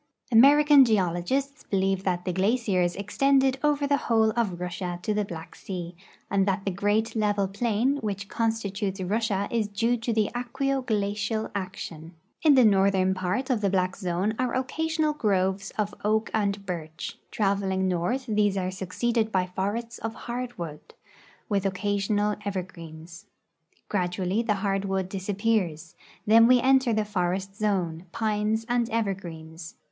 American geologists believe that the glaciers extended over the whole of Russia to the Black sea, and that the great level plain which constitutes Russia is due to aqueo glacial action. In the northern part of the black zone are occasional groves of oak and birch ; traveling north these are succeeded by forests of hardwood, with occasional evergreens. Gradually the hard wood disappears ; then we enter the forest zone, j)ines and evergreens.